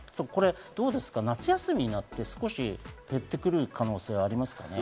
どうでしょうか、夏休みになって減ってくる可能性はありますかね？